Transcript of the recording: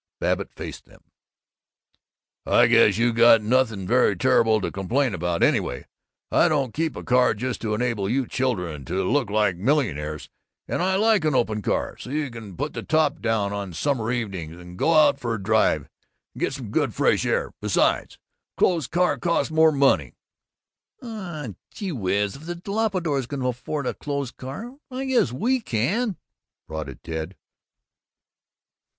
Babbitt faced them: "I guess you got nothing very terrible to complain about! Anyway, I don't keep a car just to enable you children to look like millionaires! And I like an open car, so you can put the top down on summer evenings and go out for a drive and get some good fresh air. Besides A closed car costs more money." "Aw, gee whiz, if the Doppelbraus can afford a closed car, I guess we can!" prodded Ted.